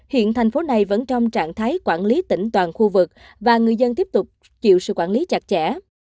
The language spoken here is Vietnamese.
hiện thành phố này vẫn trong trạng thái quản lý tỉnh toàn khu vực và người dân tiếp tục chịu sự quản lý chặt chẽ